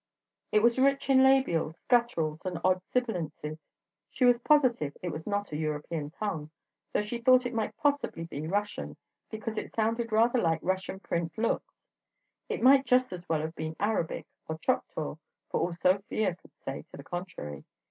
It was rich in labials, gutturals, and odd sibilances. She was positive it was not a European tongue, though she thought it might possibly be Russian, because it sounded rather like Russian print looks; it might just as well have been Arabic or Choctaw, for all Sofia could say to the contrary.